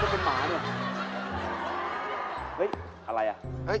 เฮ้ยอะไรอะ